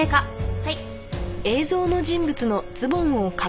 はい。